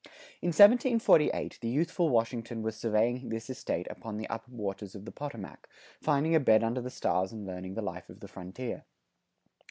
In 1748, the youthful Washington was surveying this estate along the upper waters of the Potomac, finding a bed under the stars and learning the life of the frontier.